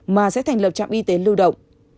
mà sẽ thành lập trạm y tế lưu động